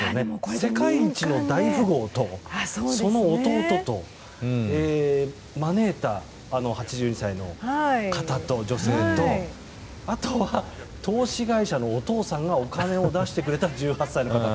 世界一の大富豪とその弟と、招いた８２歳の女性とあとは投資会社のお父さんがお金を出してくれた１８歳の方と。